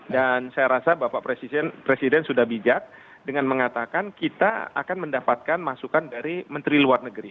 dan saya rasa bapak presiden sudah bijak dengan mengatakan kita akan mendapatkan masukan dari menteri luar negeri